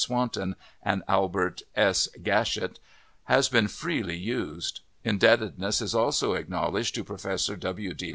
Swanton, and Albert S. Gatschet has been freely used. Indebtedness is also acknowledged to Professor W. D.